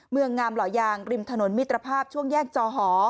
เมืองงามหล่อยางริมถนนมิตรภาพช่วงแยกจอหอ